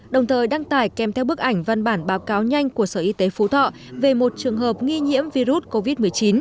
đồng thời đăng tải kèm theo bức ảnh văn bản báo cáo nhanh của sở y tế phú thọ về một trường hợp nghi nhiễm virus covid một mươi chín